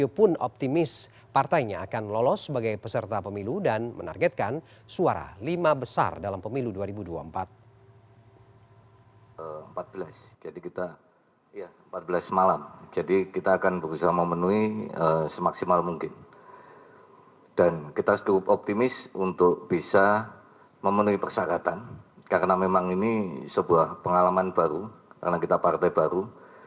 subagio pun optimis partainya akan lolos sebagai peserta pemilu dan menargetkan suara lima besar dalam pemilu dua ribu dua puluh empat